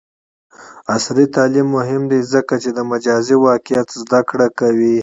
عصري تعلیم مهم دی ځکه چې د مجازی واقعیت زدکړه کوي.